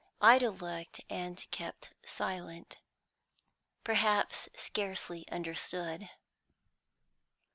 Ida looked, and kept silent; perhaps scarcely understood.